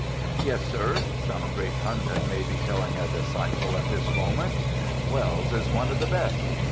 "Yes, Sir," some great pundit may be telling a disciple at this moment, "Wells is one of the best.